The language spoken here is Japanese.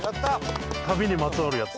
旅にまつわるやつ。